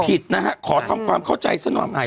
ผิดนะฮะขอทำความเข้าใจซะหน่อย